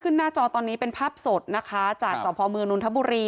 หน้าจอตอนนี้เป็นภาพสดนะคะจากสพเมืองนนทบุรี